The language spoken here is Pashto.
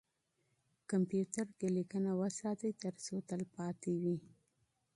کمپیوتر کې لیکنه وساتئ ترڅو تلپاتې وي.